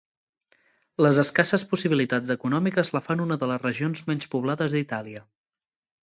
Les escasses possibilitats econòmiques la fan una de les regions menys poblades d'Itàlia.